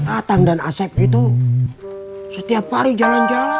atang dan asep itu setiap hari jalan jalan